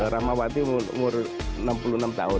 rahmawati umur enam puluh enam tahun